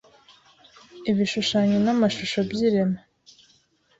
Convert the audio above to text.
ibishushanyo n’amashusho by’irema.